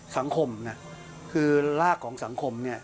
สังคมคือรากของสังคม